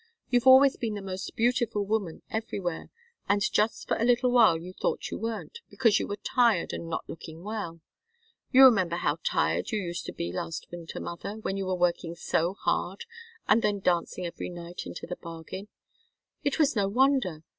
"You've always been the most beautiful woman everywhere, and just for a little while you thought you weren't, because you were tired and not looking well. You remember how tired you used to be last winter, mother, when you were working so hard and then dancing every night, into the bargain. It was no wonder!